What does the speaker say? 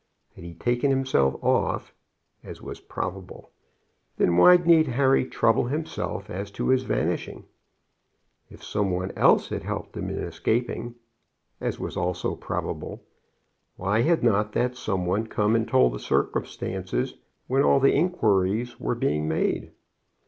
Had he taken himself off, as was probable, then why need Harry trouble himself as to his vanishing? If some one else had helped him in escaping, as was also probable, why had not that some one come and told the circumstances when all the inquiries were being made?